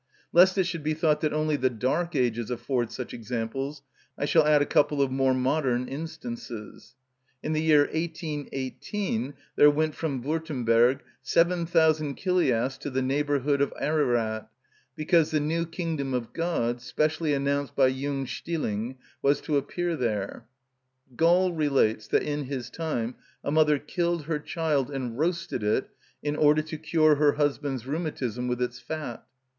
Lest it should be thought that only the dark ages afford such examples, I shall add a couple of more modern instances. In the year 1818 there went from Würtemberg 7000 Chiliasts to the neighbourhood of Ararat, because the new kingdom of God, specially announced by Jung Stilling, was to appear there.(17) Gall relates that in his time a mother killed her child and roasted it in order to cure her husband's rheumatism with its fat.